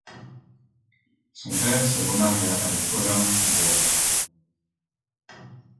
Son père se remaria avec Olympe Broye.